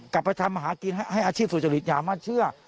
กลับมาทำอาหารกินให้อาชีพสุจริตอย่ามาเชื่อ